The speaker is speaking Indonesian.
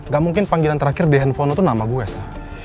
gak mungkin panggilan terakhir di handphone lo tuh nama gue sa